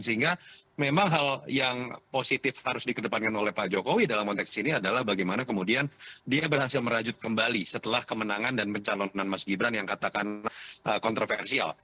sehingga memang hal yang positif harus dikedepankan oleh pak jokowi dalam konteks ini adalah bagaimana kemudian dia berhasil merajut kembali setelah kemenangan dan pencalonan mas gibran yang katakan kontroversial